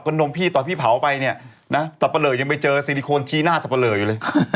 ก็นมพี่ตอนพี่เผาไปเนี่ยนะตับเปลือกยังไม่เจอซิลิโคนชี้หน้าตับเปลือกอยู่เลย